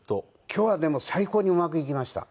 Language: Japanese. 今日はでも最高にうまくいきました。